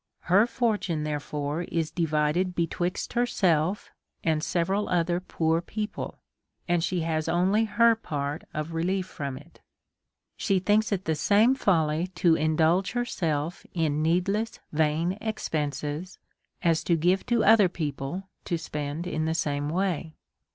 Her fortune, therefore, is divided betwixt herself and several other poor peo ple, and she has only her part of relief from it. She thinks it tlie same folly to indulge herself in needless vain expenses, as to give to other people to spend in the same way.